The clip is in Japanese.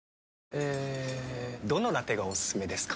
えどのラテがおすすめですか？